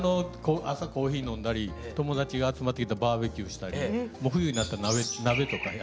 朝コーヒー飲んだり友達が集まってきたらバーベキューしたり冬になったら鍋とかやったり。